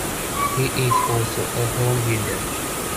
He is also a homebuilder.